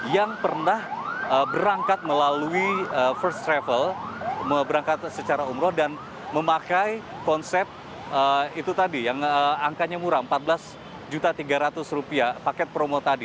yang pernah berangkat melalui first travel berangkat secara umroh dan memakai konsep itu tadi yang angkanya murah rp empat belas tiga ratus paket promo tadi